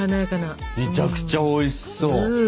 めちゃくちゃおいしそう！